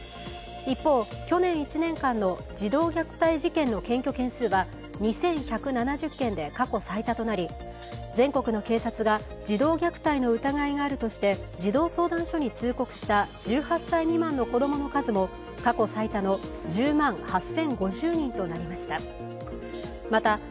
一方、去年１年間の児童虐待事件の検挙件数は２１７０件で過去最多となり、全国の警察が児童虐待の疑いがあるとして児童相談所に通告した１８歳未満の子供の数も過去最多の１０万８０５０人となりました。